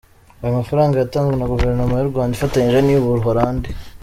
Ayo mafaranga yatanzwe na Guverinoma y’u Rwanda ifatanyije n’iyu Buholandi.